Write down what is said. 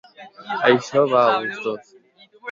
Això va a gustos.